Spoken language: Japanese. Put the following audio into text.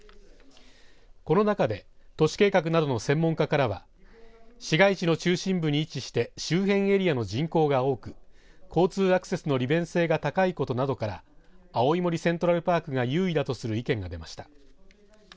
この中で都市計画などの専門家からは市街地の中心部に位置して周辺エリアの人口が多く交通アクセスの利便性が高いことなどから青い森セントラルパークが優位だとする意見が出ました。